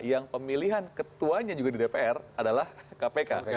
yang pemilihan ketuanya juga di dpr adalah kpk